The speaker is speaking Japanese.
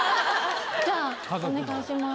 じゃあお願いします。